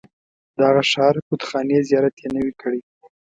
د هغه ښار بتخانې زیارت یې نه وي کړی.